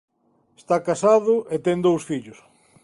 Está casado e ten dous fillos.